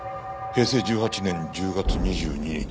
「平成１８年１０月２２日」